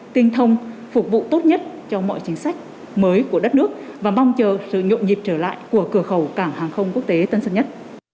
tinh thông phục vụ tốt nhất cho mọi chính sách mới của đất nước và mong chờ sự nhộn nhịp trở lại của cửa khẩu cảng hàng không quốc tế tân sơn nhất